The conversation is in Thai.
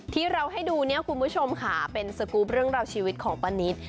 ที่เราให้ดูเนี่ยคุณผู้ชมค่ะเป็นสกรูปเรื่องราวชีวิตของป้านิต